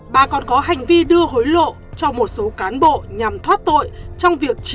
bà còn có hành vi đưa hối lộ cho một số cá nhân